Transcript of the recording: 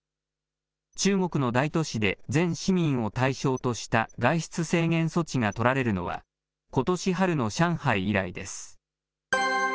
中国の大都市で全市民を対象とした外出制限措置が取られるのは、ことし春の上海以来です。